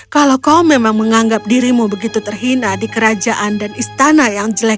kalau kau memang menganggap dirimu begitu terhina di kerajaan dan istana di mana kau berada